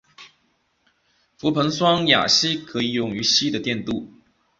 氟硼酸亚锡可以用于锡的电镀。